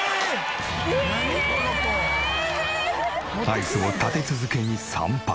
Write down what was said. アイスを立て続けに３箱。